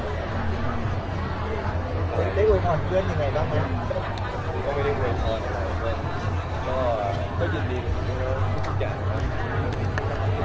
ผมก็ไม่ได้โวยคอนหลายเพราะว่าก็ยินดีกว่าคุณแล้วทุกอย่างนะครับ